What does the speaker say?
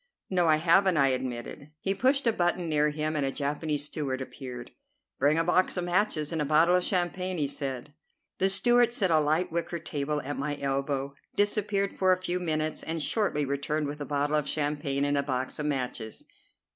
"No, I haven't," I admitted. He pushed a button near him, and a Japanese steward appeared. "Bring a box of matches and a bottle of champagne," he said. The steward set a light wicker table at my elbow, disappeared for a few minutes, and shortly returned with a bottle of champagne and a box of matches.